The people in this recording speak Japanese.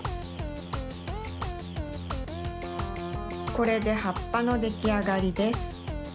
これではっぱのできあがりです。